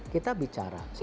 kita bicara sama